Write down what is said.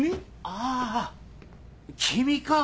あぁ君か！